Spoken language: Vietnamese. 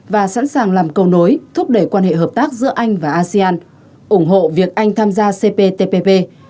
và sẵn sàng làm cầu nối thúc đẩy quan hệ hợp tác giữa anh và asean ủng hộ việc anh tham gia cptpp